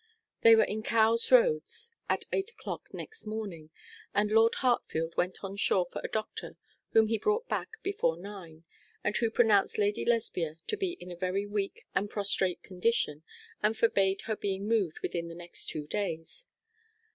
They were in Cowes Roads at eight o'clock next morning, and Lord Hartfield went on shore for a doctor, whom he brought back before nine, and who pronounced Lady Lesbia to be in a very weak and prostrate condition, and forbade her being moved within the next two days.